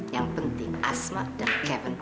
yang penting asma dan kevin